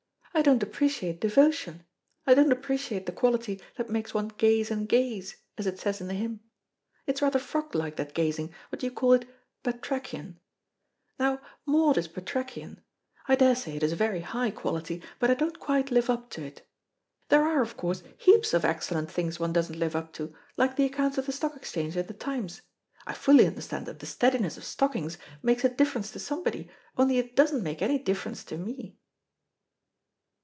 I don't appreciate devotion, I don't appreciate the quality that makes one gaze and gaze, as it says in the hymn. It is rather frog like that gazing; what do you call it batrachian. Now, Maud is batrachian. I daresay it is a very high quality, but I don't quite live up to it. There are, of course, heaps of excellent things one doesn't live up to, like the accounts of the Stock Exchange in the Times. I fully understand that the steadiness of stockings makes a difference to somebody, only it doesn't make any difference to me."